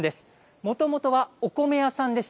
もともとはお米屋さんでした。